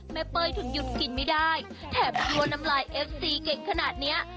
เป้ยถึงหยุดกินไม่ได้แถมทัวน้ำลายเอฟซีเก่งขนาดเนี้ย